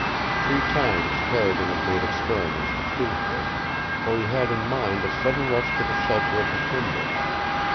Three times Carrigan had made experiments to prove this, for he had in mind a sudden rush to the shelter of the timber.